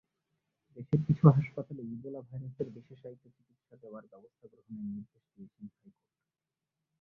দেশের কিছু হাসপাতালে ইবোলা ভাইরাসের বিশেষায়িত চিকিৎসা দেওয়ার ব্যবস্থা গ্রহণের নির্দেশ দিয়েছেন হাইকোর্ট।